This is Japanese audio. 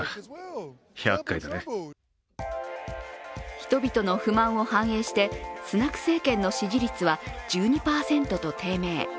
人々の不満を反映してスナク政権の支持率は１２％と低迷。